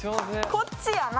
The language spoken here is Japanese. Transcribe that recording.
こっちやな。